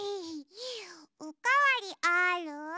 おかわりある？